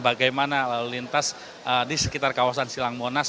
bagaimana lalu lintas di sekitar kawasan silangmonas